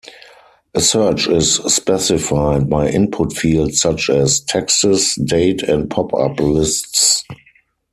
A search is specified by input fields such as: texts, date and popup lists.